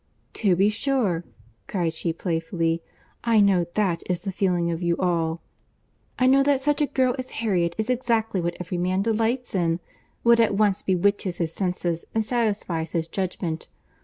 "To be sure!" cried she playfully. "I know that is the feeling of you all. I know that such a girl as Harriet is exactly what every man delights in—what at once bewitches his senses and satisfies his judgment.